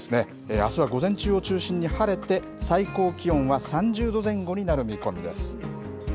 あすは午前中を中心に晴れて最高気温は３０度前後になる見込みです。